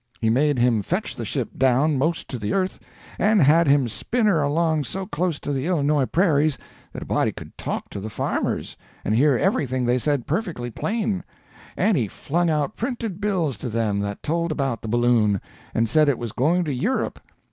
He made him fetch the ship down 'most to the earth, and had him spin her along so close to the Illinois prairies that a body could talk to the farmers, and hear everything they said perfectly plain; and he flung out printed bills to them that told about the balloon, and said it was going to Europe.